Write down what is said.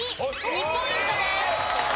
２ポイントです。